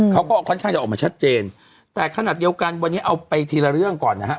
เขาก็ค่อนข้างจะออกมาชัดเจนแต่ขนาดเดียวกันวันนี้เอาไปทีละเรื่องก่อนนะฮะ